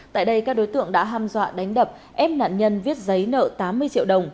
tại đây các đối tượng đã ham dọa đánh đập ép nạn nhân viết giấy nợ tám mươi triệu đồng